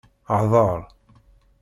Hḍer!